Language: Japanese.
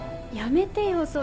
やめてよ